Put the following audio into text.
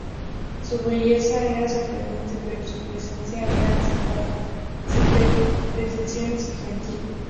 Su belleza era sorprendente, pero su presencia era reservada, sin pretensiones y gentil.